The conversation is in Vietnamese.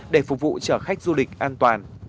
để phục vụ chở khách du lịch an toàn